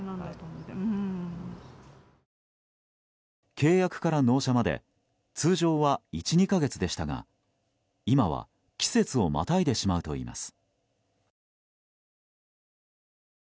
契約から納車まで通常は１２か月でしたが今は、季節をまたいでしまうといいます。